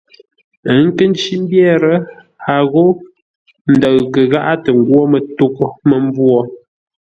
Ə́ kə̂ ncí mbyér, a ghô ndəʉ kə gháʼá tə ngwó mətoghʼə́ mə́mbwô!